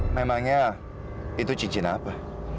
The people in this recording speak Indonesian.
memangnya itu cincin apa